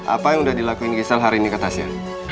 apa yang udah dilakuin gisel hari ini ke tasian